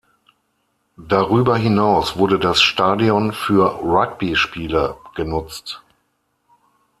Darüber hinaus wurde das Stadion für Rugbyspiele genutzt.